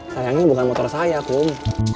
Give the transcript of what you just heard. sayangnya bukan motor saya tuh